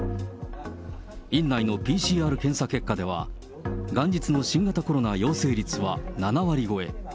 院内のＰＣＲ検査結果では、元日の新型コロナ陽性率は７割超え。